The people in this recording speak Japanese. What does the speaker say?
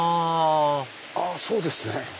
あそうですね。